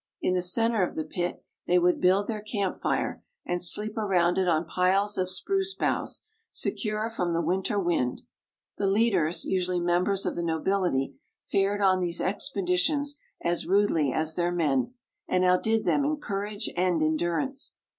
In the centre of the pit, they would build their camp fire, and sleep around it on piles of spruce boughs, secure from the winter wind. The leaders, usually members of the nobility, fared on these expeditions as rudely as their men, and outdid them in courage and endurance.